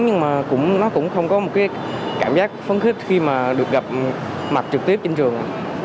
nhưng mà nó cũng không có một cái cảm giác phấn khích khi mà được gặp mặt trực tiếp trên trường